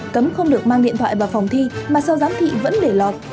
cấm không được mang điện thoại vào phòng thi mà sau giám thị vẫn để lọt